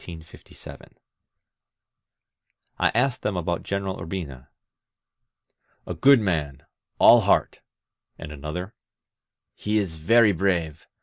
I asked them about Greneral Urbina. "A good man, all heart." And another: "He is very brave.